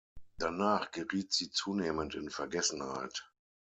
Danach geriet sie zunehmend in Vergessenheit.